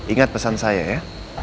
ingat pesan saya ya